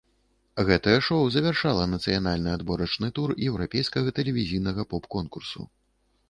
Гэтае шоу завяршала нацыянальны адборачны тур еўрапейскага тэлевізійнага поп-конкурсу.